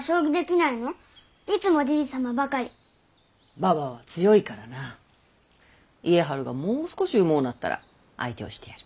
ばばは強いからな家治がもう少しうもうなったら相手をしてやる。